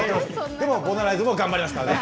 でもボナライズも頑張りますからね。